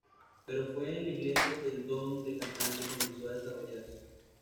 Pero fue en la iglesia que el don de cantante comenzó a desarrollarse.